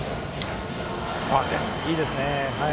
いいですね。